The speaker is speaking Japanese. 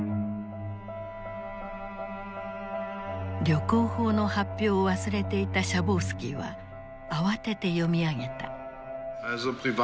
旅行法の発表を忘れていたシャボウスキーは慌てて読み上げた。